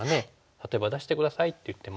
例えば「出して下さい」って言っても。